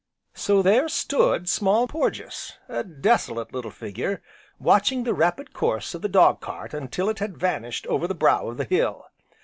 So there stood Small Porges, a desolate little figure, watching the rapid course of the dogcart until it had vanished over the brow of the hill.